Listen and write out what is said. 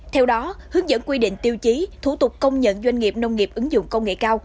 theo đó hướng dẫn quy định tiêu chí thủ tục công nhận doanh nghiệp nông nghiệp ứng dụng công nghệ cao